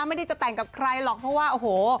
ไม่ได้จะแต่งกับใครหรอกเพราะว่าโอ้โห